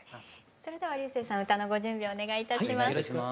それでは彩青さん歌のご準備お願いいたします。